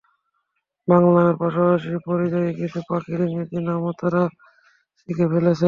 বাংলা নামের পাশাপাশি পরিযায়ী কিছু পাখির ইংরেজি নামও তাঁরা শিখে ফেলেছেন।